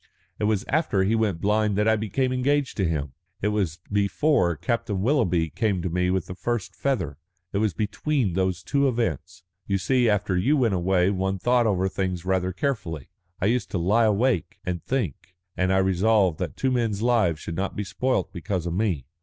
It was after he went blind that I became engaged to him. It was before Captain Willoughby came to me with the first feather. It was between those two events. You see, after you went away one thought over things rather carefully. I used to lie awake and think, and I resolved that two men's lives should not be spoilt because of me."